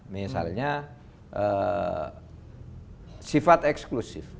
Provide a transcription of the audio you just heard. misalnya sifat eksklusif